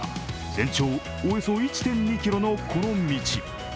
全長およそ１．２ｋｍのこの道。